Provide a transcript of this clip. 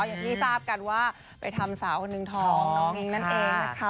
อย่างที่ทราบกันว่าไปทำสาวคนหนึ่งท้องน้องอิ๊งนั่นเองนะคะ